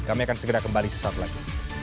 kami akan segera kembali sesaat lagi